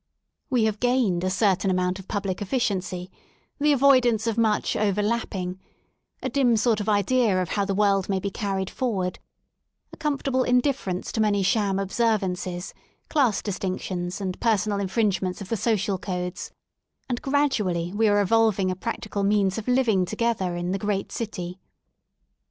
We have gained a certain amount of public eflficiency, the avoidance of much overlapping," a dim sort of [ idea of how the world may be carried forward, a com fortable indifference to many sham observances, class distinctions, and personal infringements of the social codes; and gradually we are evolving a practical means of living together in the great city.